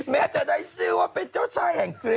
แม้จะได้ชื่อว่าเป็นเจ้าชายแห่งคริส